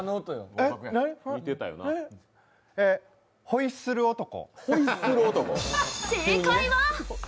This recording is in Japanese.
ホイッスル男？